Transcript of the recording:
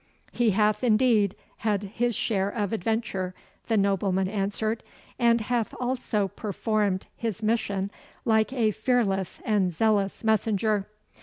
'He hath indeed had his share of adventure,' the nobleman answered, 'and hath also performed his mission like a fearless and zealous messenger.